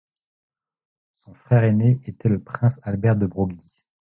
Son frère aîné était le prince Albert de Broglie.